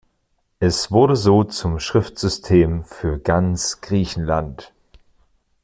Es wurde so zum Schriftsystem für ganz Griechenland.